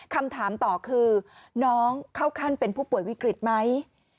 คำถามต่อคือน้องเข้าขั้นเป็นผู้ป่วยวิกฤตไหม